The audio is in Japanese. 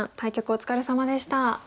お疲れさまでした。